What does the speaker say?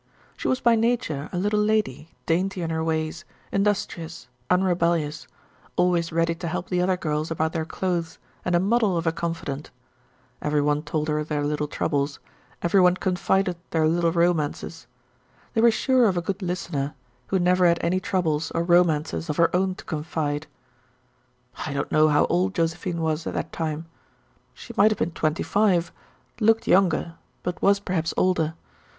She was by nature a little lady, dainty in her ways, industrious, unrebellious, always ready to help the other girls about their clothes, and a model of a confidant. Every one told her their little troubles, every one confided their little romances. They were sure of a good listener, who never had any troubles or romances of her own to confide. I don't know how old Josephine was at that time. She might have been twenty five, looked younger, but was perhaps older.